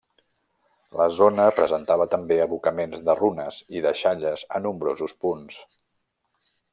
La zona presentava també abocaments de runes i deixalles a nombrosos punts.